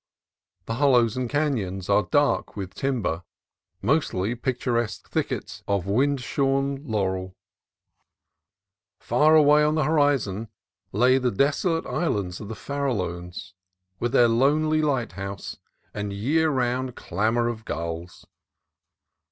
The hollows and canons are dark with timber, mostly pictur esque thickets of wind shorn laurel. Far away on the horizon lie the desolate islands of the Farallones with their lonelv lighthouse and vear long clamor of gulls.